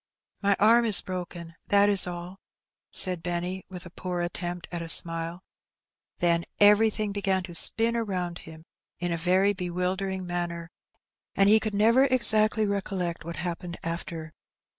"My arm is broken, that is all," said Benny, with a poor attempt at a smile ; then everything began to spin around him in a very bewildering manner, and he could never exactly recollect what happened after.